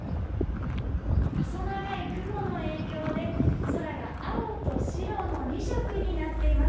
細長い雲の影響で空が青と白の２色になっています。